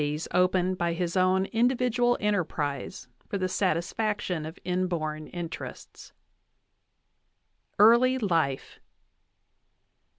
VIII opened by his own individual enterprise for the satisfaction of inborn interests. EARLY LIFE.